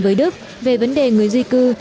với đức về vấn đề người di cư